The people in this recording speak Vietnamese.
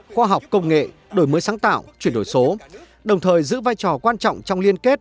khoa học công nghệ đổi mới sáng tạo chuyển đổi số đồng thời giữ vai trò quan trọng trong liên kết